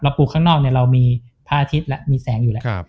เราปลูกข้างนอกเนี่ยเรามีพระอาทิตย์และมีแสงอยู่แหละ